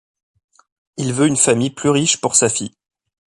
Il veut une famille plus riche pour sa fille.